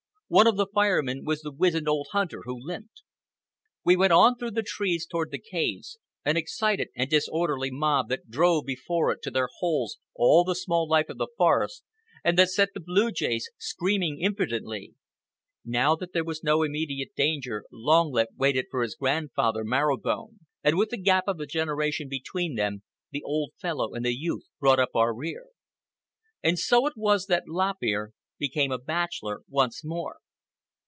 One of the Fire Men was the wizened old hunter who limped. We went on through the trees toward the caves—an excited and disorderly mob that drove before it to their holes all the small life of the forest, and that set the blue jays screaming impudently. Now that there was no immediate danger, Long Lip waited for his grand father, Marrow Bone; and with the gap of a generation between them, the old fellow and the youth brought up our rear. And so it was that Lop Ear became a bachelor once more.